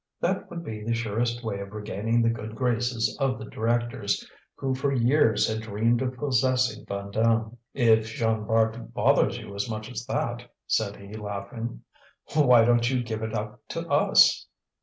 That would be the surest way of regaining the good graces of the directors, who for years had dreamed of possessing Vandame. "If Jean Bart bothers you as much as that," said he, laughing, "why don't you give it up to us?"